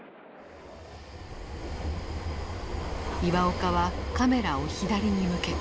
岩岡はカメラを左に向けた。